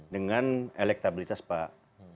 dengan elektabilitas pak